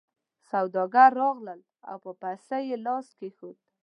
سوداګر راغلل او په پسه یې لاس کېښود.